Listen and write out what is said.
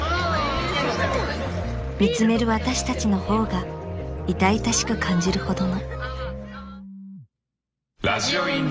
［見つめる私たちの方が痛々しく感じるほどの］